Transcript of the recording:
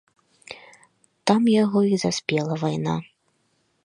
Там яго і заспела вайна.